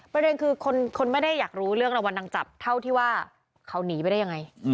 ประเด็นคือคนไม่ได้อยากรู้เรื่องรางวัลนางจับเท่าที่ว่าเขาหนีไปได้ยังไง